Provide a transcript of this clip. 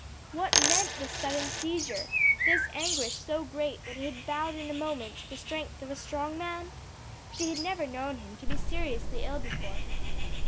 What meant this sudden seizure, this anguish so great that it had bowed in a moment the strength of a strong man? She had never known him to be seriously ill before.